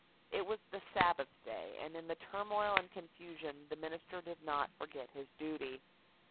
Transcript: It was the Sabbath day and in the turmoil and confusion the minister did not forget his duty.